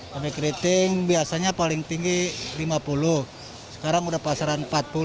cabai keriting biasanya paling tinggi lima puluh sekarang udah pasaran empat puluh